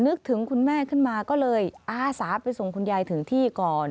นึกถึงคุณแม่ขึ้นมาก็เลยอาสาไปส่งคุณยายถึงที่ก่อน